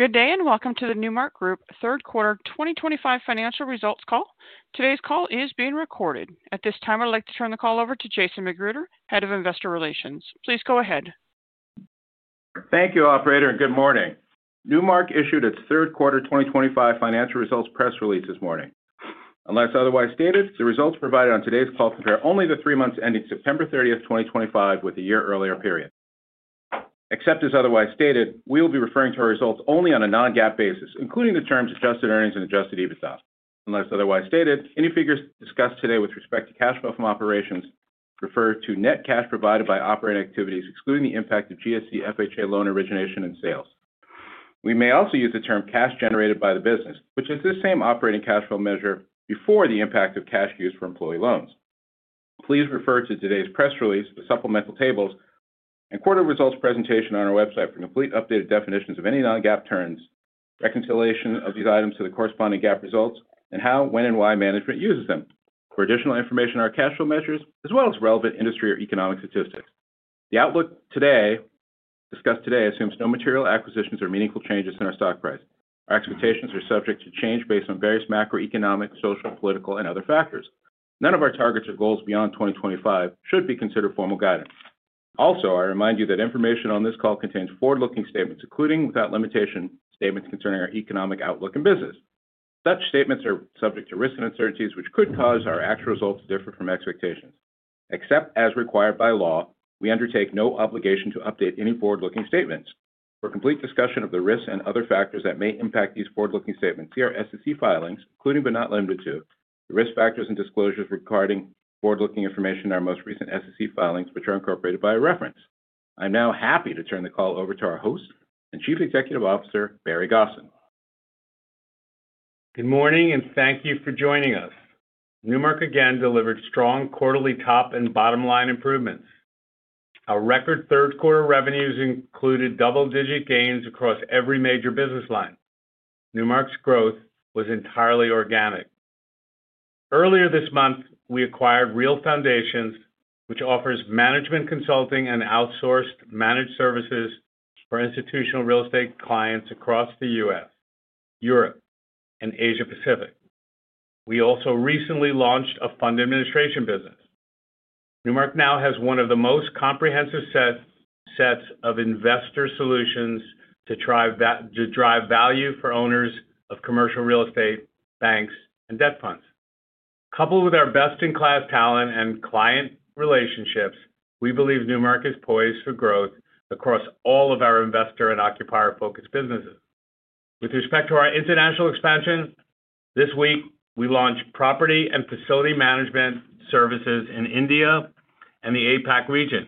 Good day and welcome to the Newmark Group third quarter 2025 financial results call. Today's call is being recorded. At this time, I'd like to turn the call over to Jason McGruder, Head of Investor Relations. Please go ahead. Thank you, operator, and good morning. Newmark issued its third quarter 2025 financial results press release this morning. Unless otherwise stated, the results provided on today's call compare only the three months ending September 30th, 2025, with a year earlier period. Except as otherwise stated, we will be referring to our results only on a non-GAAP basis, including the terms adjusted earnings and adjusted EBITDA unless otherwise stated. Any figures discussed today with respect to cash flow from operations refer to net cash provided by operating activities, excluding the impact of GSE, FHA, loan origination and sales. We may also use the term cash generated by the business, which is the same operating cash flow measure before the impact of cash used for employee loans. Please refer to today's press release, the Supplemental Tables, and Quarter Results presentation on our website for complete updated definitions of any non-GAAP terms, reconciliation of these items to the corresponding GAAP results, and how, when, and why management uses them. For additional information on our cash flow measures as well as relevant industry or economic statistics, the outlook discussed today assumes no material acquisitions or meaningful changes in our stock price. Our expectations are subject to change based on various macroeconomic, social, political, and other factors. None of our targets or goals beyond 2025 should be considered formal guidance. Also, I remind you that information on this call contains forward-looking statements, including, without limitation, statements concerning our economic outlook and business. Such statements are subject to risks and uncertainties, which could cause our actual results to differ from expectations. Except as required by law, we undertake no obligation to update any forward-looking statements. For complete discussion of the risks and other factors that may impact these forward-looking statements, see our SEC filings, including, but not limited to, risk factors and disclosures regarding forward-looking information in our most recent SEC filings, which are incorporated by reference. I'm now happy to turn the call over to our host and Chief Executive Officer, Barry Gosin. Good morning and thank you for joining us. Newmark again delivered strong quarterly top and bottom line improvements. Our record third quarter revenues included double-digit gains across every major business line. Newmark's growth was entirely organic. Earlier this month we acquired RealFoundations, which offers management consulting and outsourced managed services for institutional real estate clients across the U.S., Europe, and Asia-Pacific. We also recently launched a Fund Administration business. Newmark now has one of the most comprehensive sets of investor solutions to drive value for owners of commercial real estate, banks, and debt funds. Coupled with our best-in-class talent and client relationships, we believe Newmark is poised for growth across all of our investor and occupier-focused businesses. With respect to our international expansion, this week we launched property and facility Management Services in India, the APAC region.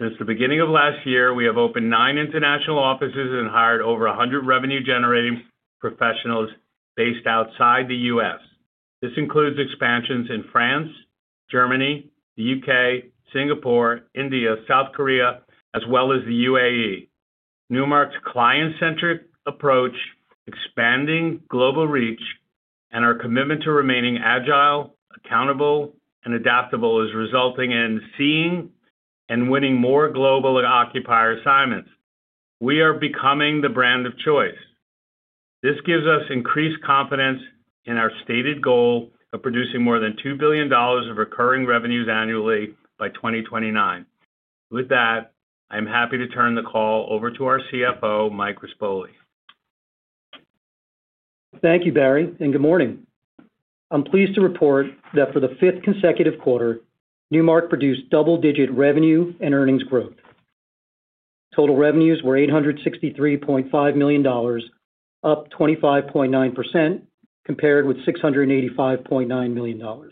Since the beginning of last year, we have opened nine international offices and hired over 100 revenue-generating professionals based outside the U.S. This includes expansions in France, Germany, the U.K., Singapore, India, South Korea, as well as the U.A.E. Newmark's client-centric approach, expanding global reach, and our commitment to remaining agile, accountable, and adaptable is resulting in seeing and winning more global occupier assignments. We are becoming the brand of choice. This gives us increased confidence in our stated goal of producing more than $2 billion of recurring revenues annually by 2029. With that, I am happy to turn the call over to our CFO, Mike Rispoli. Thank you Barry and good morning. I'm pleased to report that for the fifth consecutive quarter Newmark produced double-digit revenue and earnings growth. Total revenues were $863.5 million, up 25.9% compared with $685.9 million.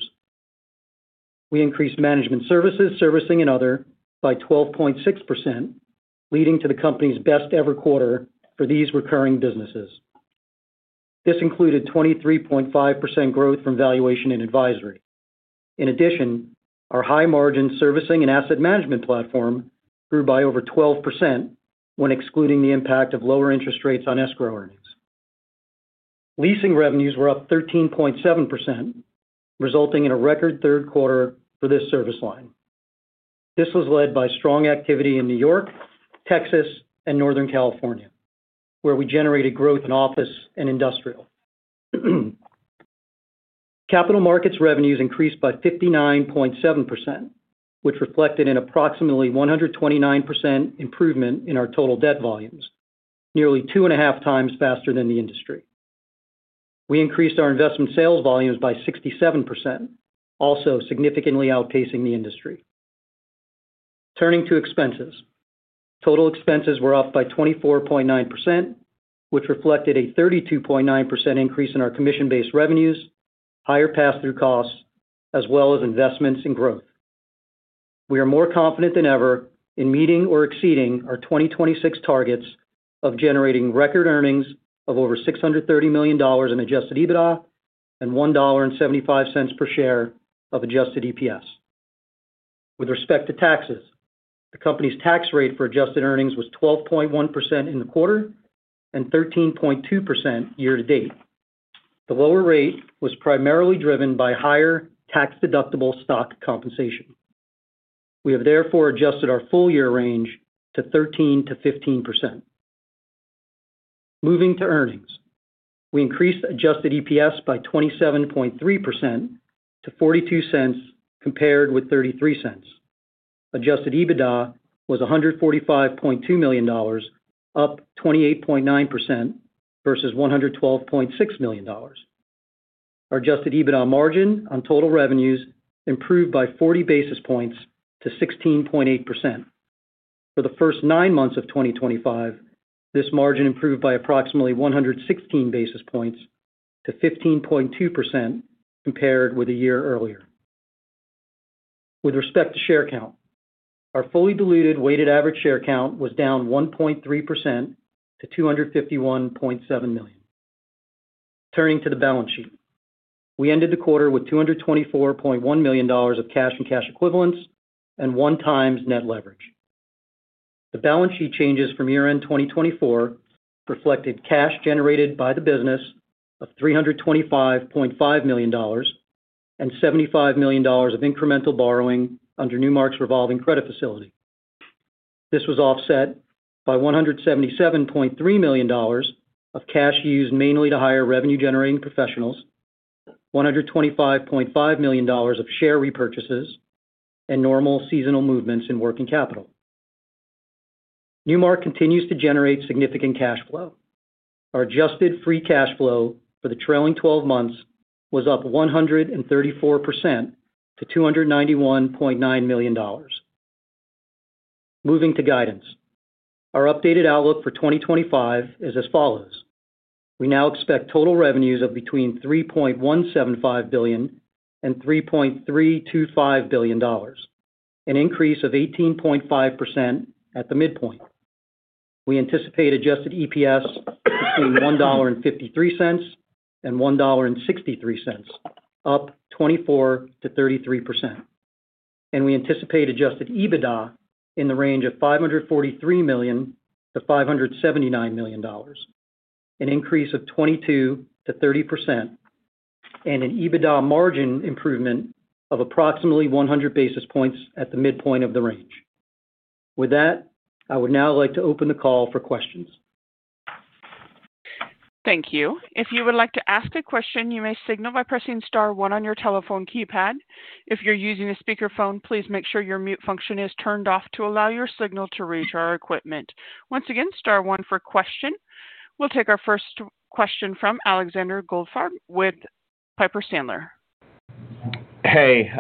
We increased Management Services, Servicing and other by 12.6%, leading to the company's best ever quarter for these recurring businesses. This included 23.5% growth from Valuation & Advisory. In addition, our high-margin servicing and Asset Management platform grew by over 12% when excluding the impact of lower interest rates on escrow earnings. Leasing revenues were up 13.7%, resulting in a record third quarter for this service line. This was led by strong activity in New York, Texas and Northern California where we generated growth in office and Industrial and Capital Markets. Revenues increased by 59.7%, which reflected an approximately 129% improvement in our total debt volumes, nearly 2.5x faster than the industry. We increased our investment sales volumes by 67%, also significantly outpacing the industry. Turning to expenses, total expenses were up by 24.9%, which reflected a 32.9% increase in our commission-based revenues, higher pass-through costs as well as investments in growth. We are more confident than ever in meeting or exceeding our 2026 targets of generating record earnings of over $630 million in adjusted EBITDA and $1.75 per share of adjusted EPS. With respect to taxes, the company's tax rate for adjusted earnings was 12.1% in the quarter and 13.2% year to date. The lower rate was primarily driven by higher tax-deductible stock compensation. We have therefore adjusted our full year range to 13%-15%. Moving to earnings, we increased adjusted EPS by 27.3% to $0.42 compared with $0.33. Adjusted EBITDA was $145.2 million, up 28.9% versus $112.6 million. Our adjusted EBITDA margin on total revenues improved by 40 basis points to 16.8% for the first nine months of 2025. This margin improved by approximately 116 basis points to 15.2% compared with a year earlier. With respect to share count, our fully diluted weighted average share count was down 1.3% to 251.7 million. Turning to the balance sheet, we ended the quarter with $224.1 million of cash and cash equivalents and 1x net leverage. The balance sheet changes from year end 2024 reflected cash generated by the business of $325.5 million and $75 million of incremental borrowing under Newmark's revolving credit facility. This was offset by $177.3 million of cash used mainly to hire revenue generating professionals. $125.5 million of share repurchases, normal seasonal movements in working capital. Newmark continues to generate significant cash flow. Our adjusted free cash flow for the trailing twelve months was up 134% to $291.9 million. Moving to guidance, our updated outlook for 2025 is as follows. We now expect total revenues of between $3.175 billion and $3.325 billion, an increase of 18.5% at the midpoint. We anticipate adjusted EPS between $1.53 and $1.63, up 24%-33%, and we anticipate adjusted EBITDA in the range of $543 million to $579 million, an increase of 22%-30%, and an EBITDA margin improvement of approximately 100 basis points at the midpoint of the range. With that, I would now like to open the call for questions. Thank you. If you would like to ask a question, you may signal by pressing STAR 1 on your telephone keypad. If you're using a speakerphone, please make sure your mute function is turned off to allow your signal to reach our equipment. Once again, STAR 1 for questions. We'll take our first question from Alexander Goldfarb with Piper Sandler. Hey,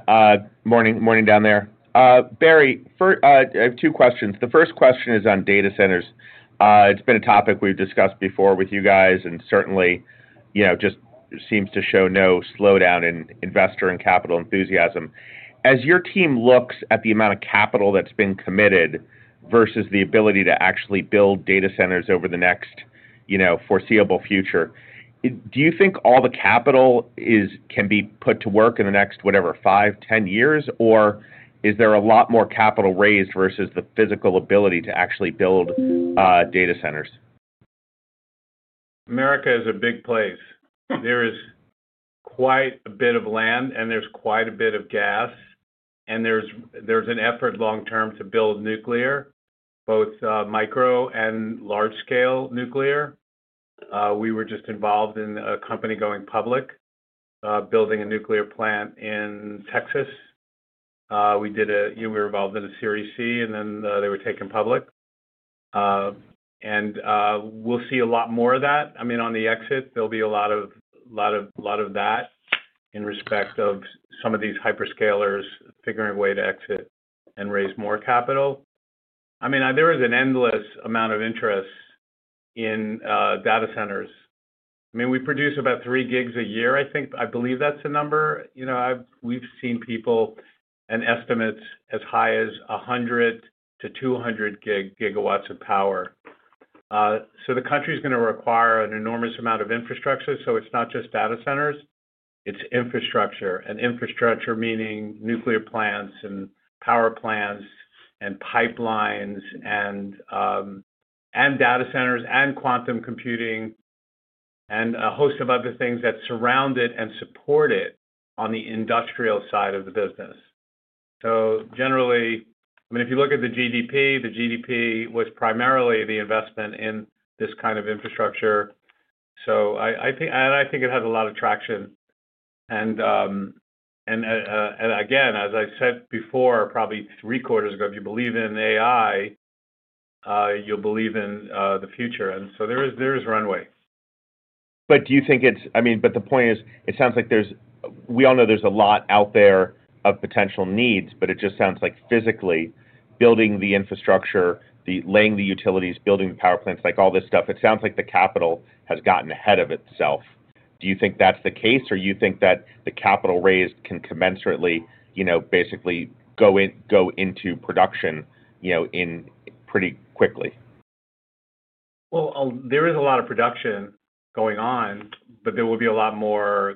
morning. Morning down there, Barry. I have two questions. The first question is on data centers. It's been a topic we've discussed before with you guys and certainly just seems to show no slowdown in investor and capital enthusiasm. As your team looks at the amount of capital that's been committed versus the ability to actually build data centers over the next foreseeable future, do you think all the capital can be put to work in the next, whatever, five, ten years? Is there a lot more capital raised versus the physical ability to actually build data centers? America is a big place. There is quite a bit of land, and there's quite a bit of gas, and there's an effort long term to build nuclear, both micro and large scale nuclear. We were just involved in a company going public building a nuclear plant in Texas. You were involved in a Series C, and then they were taken public. We'll see a lot more of that. On the exit, there'll be a lot of that in respect of some of these hyperscalers figuring a way to exit and raise more capital. There is an endless amount of interest in data centers. We produce about 3 GW a year, I think. I believe that's a number. We've seen people and estimates as high as 100 GW-200 GW of power. The country is going to require an enormous amount of infrastructure. It's not just data centers, it's infrastructure, and infrastructure meaning nuclear plants and power plants and pipelines and data centers and quantum computing and a host of other things that surround it and support it on the industrial side of the business. Generally, if you look at the GDP, the GDP was primarily the investment in this kind of infrastructure. I think it has a lot of traction. And. As I said before, probably three quarters ago, if you believe in AI, you'll believe in the future. There is runway, but do. You think it's, I mean, the point is it sounds like there's, we all know there's a lot out there of potential needs. It just sounds like physically building the infrastructure, laying the utilities, building the power plants, all this stuff, it sounds like the capital has gotten ahead of itself. Do you think that's the case, or do you think that the capital raised can commensurately basically go into production pretty quickly? There is a lot of production going on, but there will be a lot more.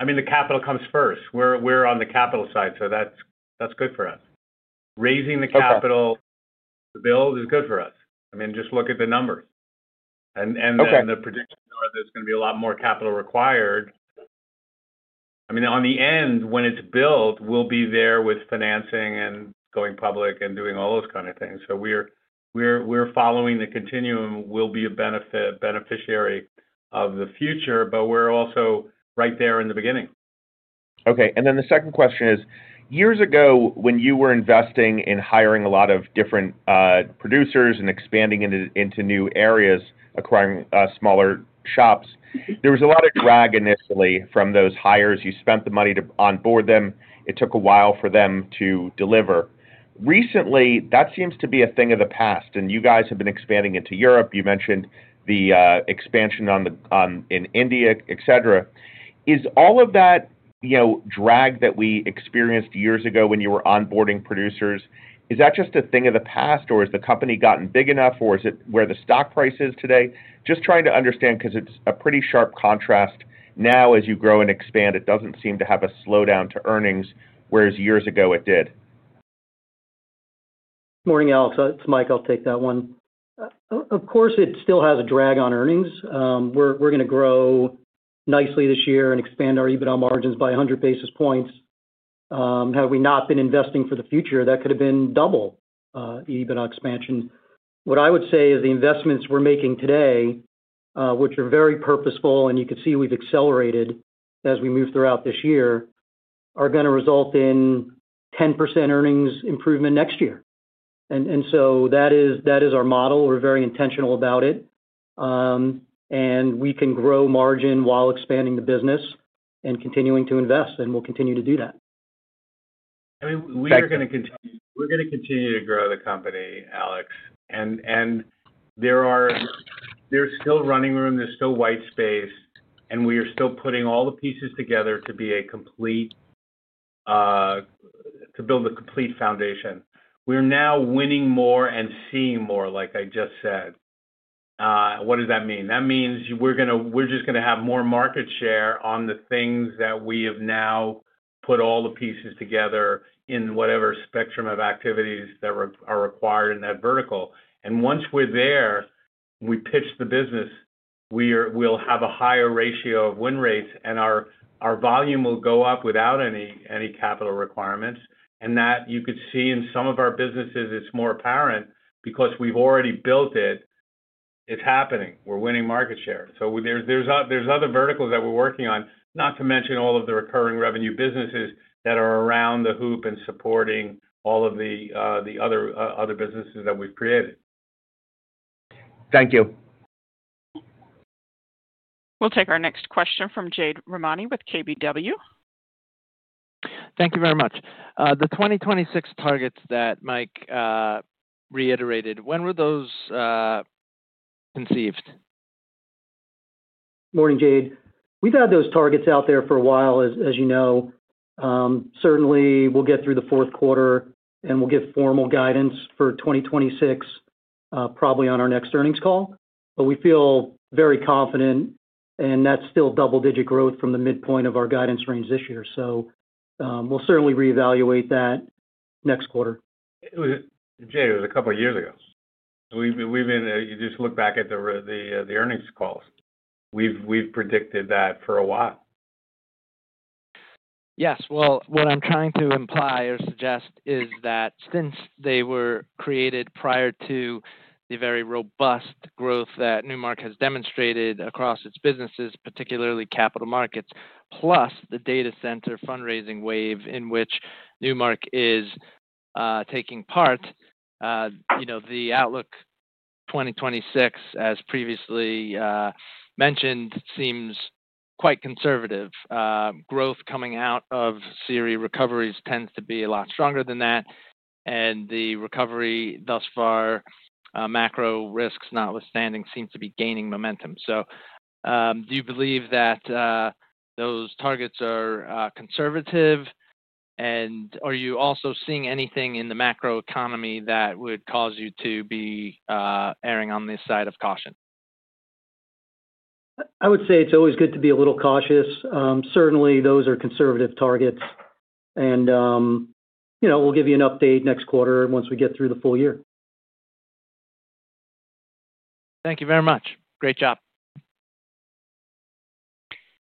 I mean, the capital comes first. We're on the capital side, so that's good for us. Raising the capital, the build is good for us. I mean, just look at the numbers and the prediction. There's going to be a lot more capital required. I mean, on the end when it's built, we'll be there with financing and going public and doing all those kind of things. We're following the continuum. We'll be a beneficiary of the future, but we're also right there in the beginning. Okay, and then the second question is, years ago, when you were investing in hiring a lot of different producers and expanding into new areas, acquiring smaller shops, there was a lot of drag initially from those hires. You spent the money to onboard them. It took a while for them to deliver. Recently, that seems to be a thing of the past. You guys have been expanding into Europe. You mentioned the expansion in India, et cetera. Is all of that drag that we experienced years ago when you were onboarding producers just a thing of the past, or has the company gotten big enough, or is it where the stock price is today? I'm just trying to understand because it's a pretty sharp contrast now as you grow and expand. It doesn't seem to have a slowdown to earnings, whereas years ago it did. Morning, Alex, it's Mike. I'll take that one. Of course, it still has a drag on earnings. We're going to grow nicely this year and expand our EBITDA margins by 100 basis points. Had we not been investing for the future, that could have been double the EBITDA expansion. What I would say is the investments we're making today, which are very purposeful and you can see we've accelerated as we move throughout this year, are going to result in 10% earnings improvement next year. That is our model. We're very intentional about it, and we can grow margin while expanding the business and continuing to invest. We'll continue to do that. I mean, we are going to continue, we're going to continue to grow the company, Alex. There is still running room, there's still white space, and we are still putting all the pieces together to build a complete foundation. We're now winning more and seeing more, like I just said. What does that mean? That means we're going to have more market share on the things that we have now, put all the pieces together in whatever spectrum of activities that are required in that vertical. Once we're there, we pitch the business, we'll have a higher ratio of win rates and our volume will go up without any capital requirements. You could see in some of our businesses it's more apparent because we've already built it, it's happening. We're winning market share. There are other verticals that we're working on, not to mention all of the recurring revenue businesses that are around the hoop and supporting all of the other businesses that we've created. Thank you. We'll take our next question from Jade Rahmani with KBW. Thank you very much. The 2026 targets that Mike reiterated, when were those conceived? Morning, Jade. We've had those targets out there for a while, as you know. Certainly we'll get through the fourth quarter, and we'll give formal guidance for 2026 probably on our next earnings call. We feel very confident, and that's still double digit growth from the midpoint of our guidance range this year. We'll certainly reevaluate that next quarter. Jade, it was a couple years ago. You just look back at the earnings calls. We've predicted that for a while. Yes. What I'm trying to imply or suggest is that since they were created prior to the very robust growth that Newmark has demonstrated across its businesses, particularly Capital Markets, plus the data center fundraising wave in which Newmark is taking part, the outlook 2026, as previously mentioned, seems quite conservative. Growth coming out of serious recoveries tends to be a lot stronger than that. The recovery thus far, macro risks notwithstanding, seems to be gaining momentum. Do you believe that those targets are conservative and are you also seeing anything in the macro economy that would cause you to be erring on this side of caution? I would say it's always good to be a little cautious. Certainly, those are conservative targets. You know, we'll give you an update next quarter once we get through the full year. Thank you very much. Great job.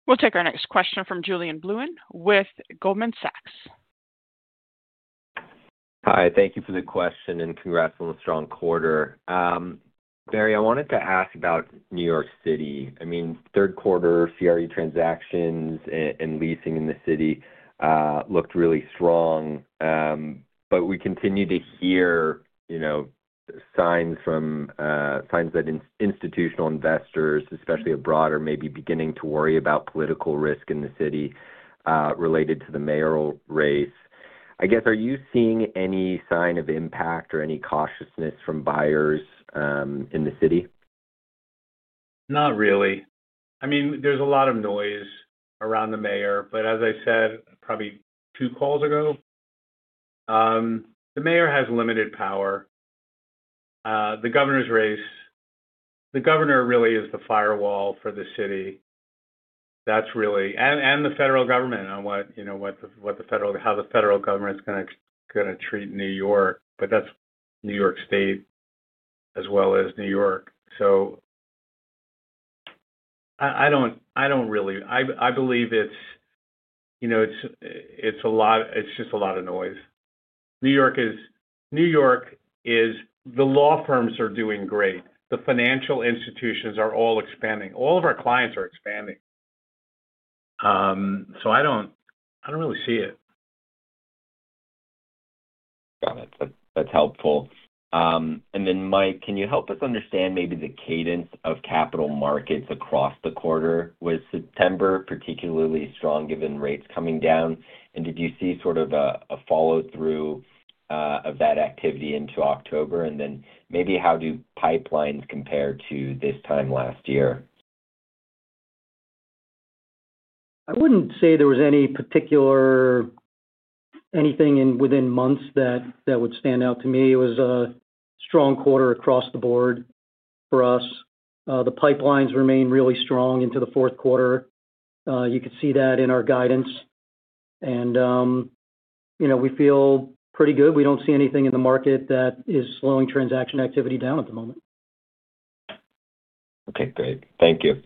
We'll take our next question from Julien Blouin with Goldman Sachs. Hi, thank you for the question and congrats on the strong quarter. Barry, I wanted to ask about New York City. Third quarter CRE transactions and leasing in the city looked really strong, but we continue to hear signs that institutional investors, especially abroad, are maybe beginning to worry about political risk in the city related to the mayoral race, I guess. Are you seeing any sign of impact or any cautiousness from buyers in the city? Not really. I mean, there's a lot of noise around the mayor. As I said, probably two calls ago, the mayor has limited power. The governor's race, the governor really is the firewall for the city. That's really it. The federal government, on what, you know, how the federal government is going to treat New York, but that's New York State as well as New York. So. I believe it's a lot, it's just a lot of noise. New York is, New York is. The law firms are doing great. The financial institutions are all expanding, all of our clients are expanding. I don't really see it. Got it. That's helpful. Mike, can you help us understand maybe the cadence of Capital Markets across the quarter? Was September particularly strong given rates coming down? Did you see sort of a follow through of that activity into October, and how do pipelines compare to this time last year? I wouldn't say there was any particular, anything within months that would stand out. To me, it was a strong quarter across the board for us. The pipelines remain really strong into the fourth quarter. You could see that in our guidance, and we feel pretty good. We don't see anything in the market that is slowing transaction activity down at the moment. Okay, great, thank you.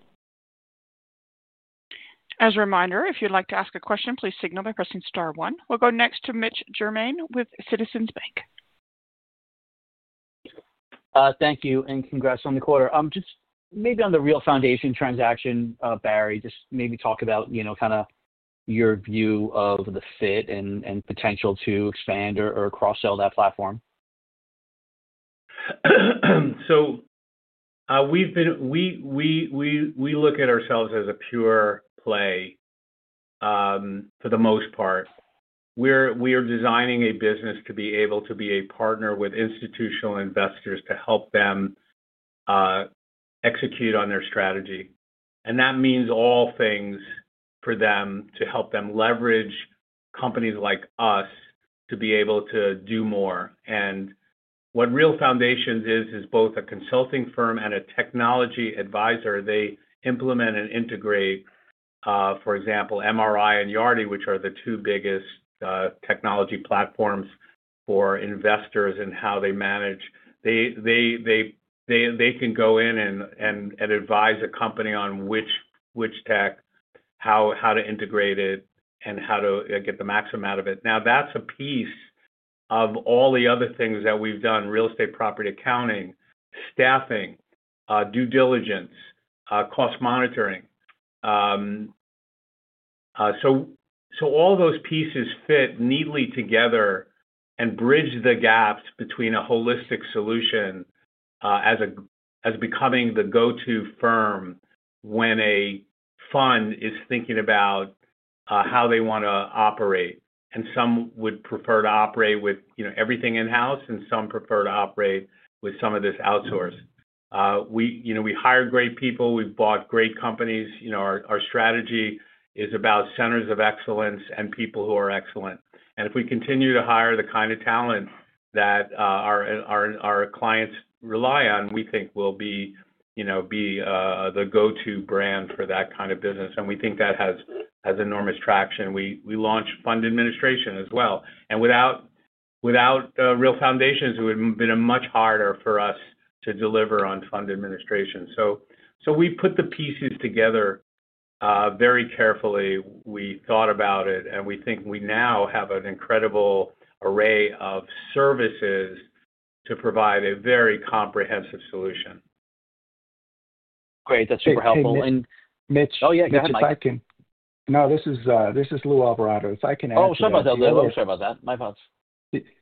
As a reminder, if you'd like to ask a question, please signal by pressing Star 1. We'll go next to Mitch Germain with Citizens Bank. Thank you and congrats on the quarter. Just maybe on the RealFoundations transaction, Barry, just maybe talk about, you know, kind of your view of the fit and potential to expand or cross sell that platform. We look at ourselves as a pure play for the most part. We are designing a business to be able to be a partner with institutional investors to help them execute on their strategy. That means all things for them to help them leverage companies like us to be able to do more. What RealFoundations is, is both a consulting firm and a technology advisor. They implement and integrate, for example, MRI and Yardi, which are the two biggest technology platforms for investors and how they manage. They can go in and advise a company on which tech, how to integrate it, and how to get the maximum out of it. Now that's a piece of all the other things that we've done: real estate, property accounting, staffing, due diligence, cost monitoring. All those pieces fit neatly together and bridge the gaps between a holistic solution as becoming the go-to firm. When a fund is thinking about how they want to operate, some would prefer to operate with everything in-house, and some prefer to operate with some of this outsourced. We hire great people. We bought great companies. Our strategy is about centers of excellence and people who are excellent. If we continue to hire the kind of talent that our clients rely on, we think we will be the go-to brand for that kind of business. We think that has enormous traction. We launched Fund Administration as well, and without RealFoundations, it would have been much harder for us to deliver on Fund Administration. We put the pieces together very carefully, we thought about it, and we think we now have an incredible array of services to provide a very comprehensive solution. Great, that's super helpful. No, this is Lou Alvarado, if I can. Oh, sorry about that. My thoughts.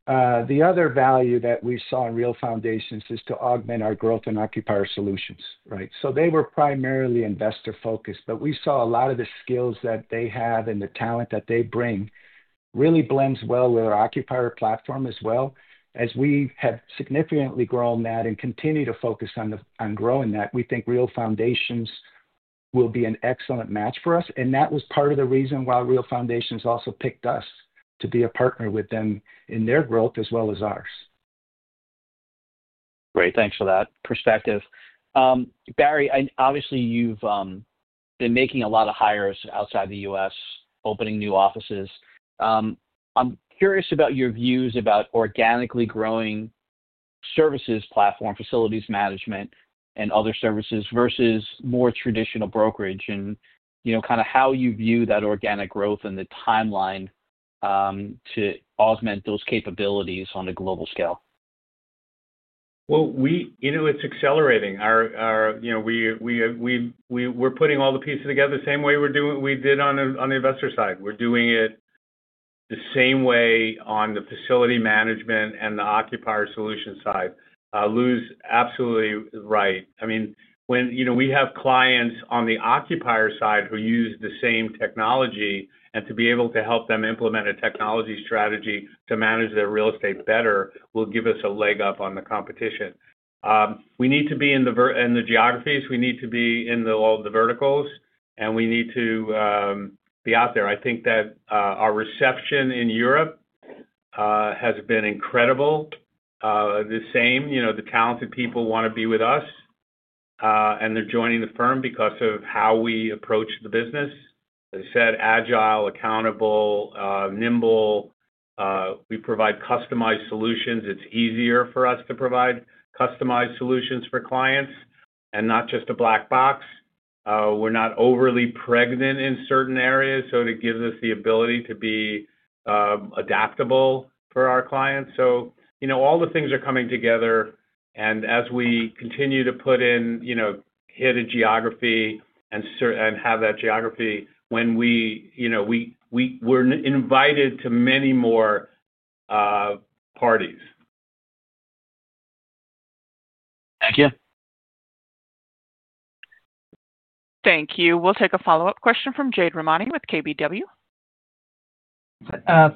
The other value that we saw in RealFoundations is to augment our growth and occupier solutions. They were primarily investor focused, but we saw a lot of the skills that they have and the talent that they bring really blends well with our occupier platform as well. As we have significantly grown that and continue to focus on growing that, we think RealFoundations will be an excellent match for us. That was part of the reason why RealFoundations also picked us to be a partner with them in their growth as well as ours. Great, thanks for that perspective. Barry, obviously you've been making a lot of hires outside the U.S., opening new offices. I'm curious about your views about organically growing services platform, facilities management and other services versus more traditional brokerage and kind. Of how you view that organic growth. The timeline to augment those capabilities on a global scale. It's accelerating. We're putting all the pieces together the same way we did on the investor side. We're doing it the same way on the facility management and the occupier solutions side. Lou's absolutely right. I mean, when you know, we have clients on the occupier side who use the same technology, and to be able to help them implement a technology strategy to manage their real estate better will give us a leg up on the competition. We need to be in the geographies, we need to be in all the verticals, and we need to be out there. I think that our reception in Europe has been incredible. The same, you know, the talented people want to be with us, and they're joining the firm because of how we approach the business. As I said, agile, accountable, nimble. We provide customized solutions. It's easier for us to provide customized solutions for clients and not just a black box. We're not overly pregnant in certain areas, so it gives us the ability to be adaptable for our clients. You know, all the things are coming together, and as we continue to put in, you know, hit a geography and have that geography, we were invited to many more parties. Thank you. Thank you. We'll take a follow-up question from Jade Rahmani with KBW.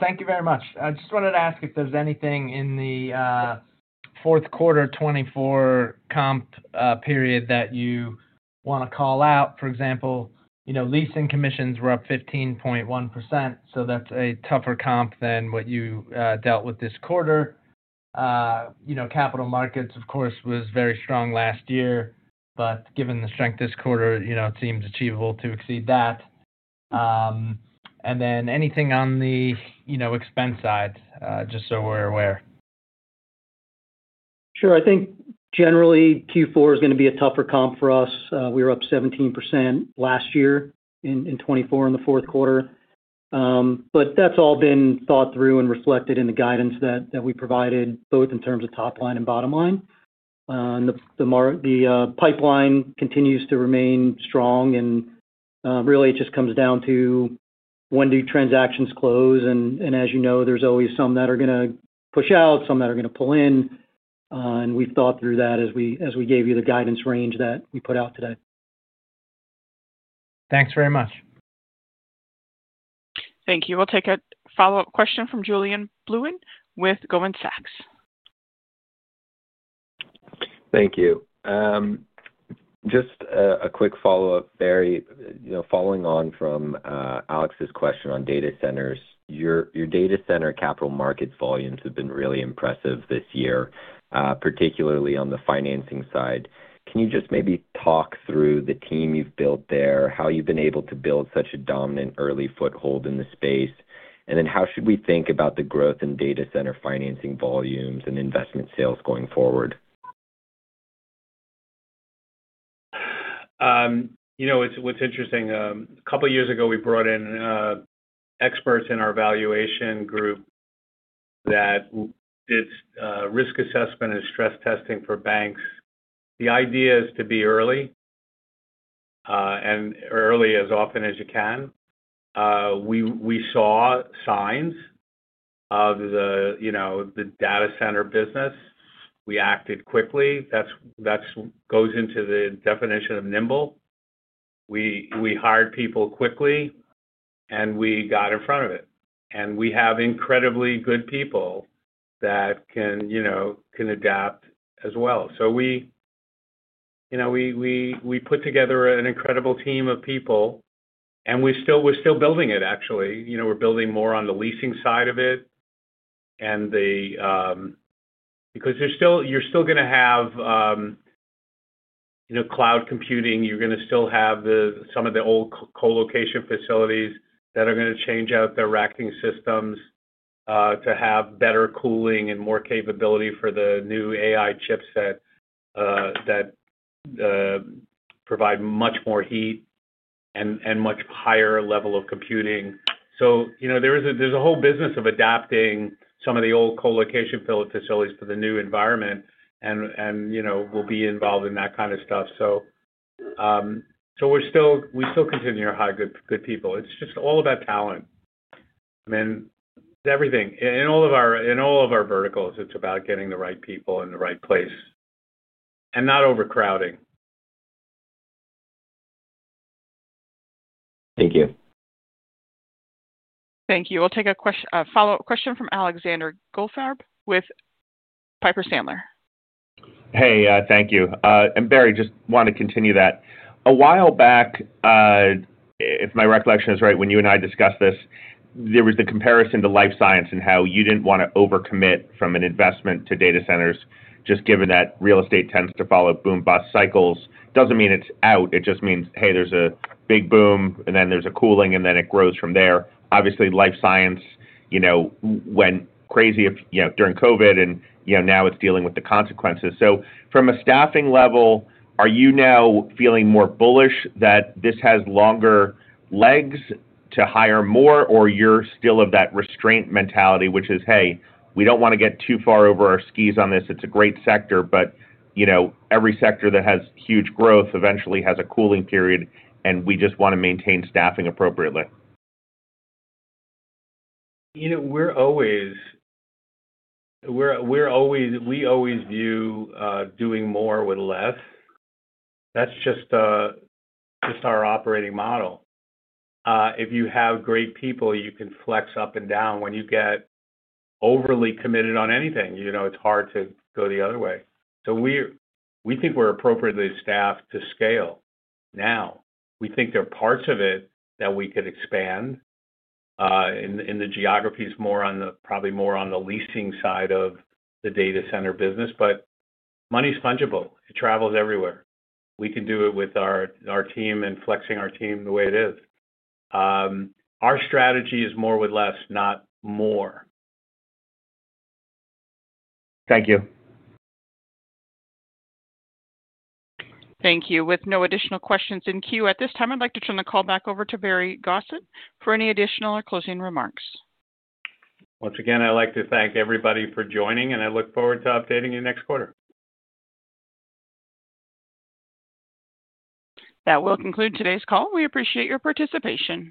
Thank you very much. I just wanted to ask if there's anything in the fourth quarter 2024 comp period that you want to call out. For example, leasing commissions were up 15.1%, so that's a tougher comp than what you dealt with this quarter. Capital Markets of course was very strong last year, but given the strength this quarter, it seems achievable to exceed that. Anything on the, you know. Expense side, just so we're aware. Sure. I think generally Q4 is going to be a tougher comp for us. We were up 17% last year in 2024 in the fourth quarter. That's all been thought through and reflected in the guidance that we provided both in terms of top line and bottom line. The pipeline continues to remain strong and really it just comes down to when do transactions close. As you know, there's always some that are going to push out, some that are going to pull in. We thought through that as we gave you the guidance range that we put out today. Thanks very much. Thank you. We'll take a follow up question from Julien Blouin with Goldman Sachs. Thank you. Just a quick follow up, Barry, following on from Alex's question on data centers, your data center Capital Markets volumes have been really impressive this year, particularly on the financing side. Can you just maybe talk through the team you've built there, how you've been able to build such a dominant early foothold in the space? How should we think about the growth in data center financing volumes and investment sales going forward? You know what's interesting, a couple years ago we brought in experts in our valuation group that do risk assessment and stress testing for banks. The idea is to be early and early as often as you can. We saw signs of the, you know, the data center business. We acted quickly. That goes into the definition of nimble. We hired people quickly and we got in front of it and we have incredibly good people that can adapt as well. We put together an incredible team of people and we're still building it actually, you know, we're building more on the Leasing side of it because you're still going to have. You. Cloud computing, you're going to still have some of the old colocation facilities that are going to change out their racking systems to have better cooling and more capability for the new AI chipset that provide much more heat and a much higher level of computing. There is a whole business of adapting some of the old colocation facilities for the new environment, and we'll be involved in that kind of stuff. We still continue to hire good people. It's just all about talent. I mean, everything in all of our verticals, it's about getting the right people in the right place and not overcrowding. Thank you. Thank you. We'll take a follow up question from Alexander Goldfarb with Piper Sandler. Hey, thank you. Barry, just want to continue that a while back, if my recollection is right, when you and I discussed this, there was the comparison to life science and how you didn't want to overcommit from an investment to data centers. Just given that real estate tends to follow boom bust cycles. Doesn't mean it's out. It just means, hey, there's a big boom and then there's a cooling and then it grows from there. Obviously life science went crazy during COVID and now it's dealing with the consequences. From a staffing level, are you now feeling more bullish that this has longer legs to hire more or you're still of that restraint mentality which is, hey, we don't want to get too far over our skis on this. It's a great sector. Every sector that has huge growth eventually has a cooling period. We just want to maintain staffing appropriately. We're always, we always view doing more with less. That's just our operating model. If you have great people, you can flex up and down. When you get overly committed on anything, it's hard to go the other way. We think we're appropriately staffed to scale now. We think there are parts of it that we could expand in the geographies, probably more on the Leasing side of the data center business. Money is fungible, it travels everywhere. We can do it with our team and flexing our team the way it is. Our strategy is more with less, not more. Thank you. Thank you. With no additional questions in queue at this time, I'd like to turn the call back over to Barry Gosin for any additional or closing remarks. Once again, I'd like to thank everybody for joining, and I look forward to updating you next quarter. That will conclude today's call. We appreciate your participation.